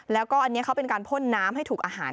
แล้วก็อันนี้เขาเป็นการพ่นน้ำให้ถูกอาหาร